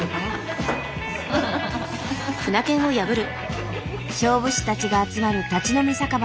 勝負師たちが集まる立ち飲み酒場に３日間。